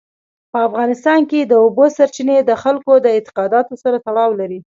په افغانستان کې د اوبو سرچینې د خلکو د اعتقاداتو سره تړاو لري.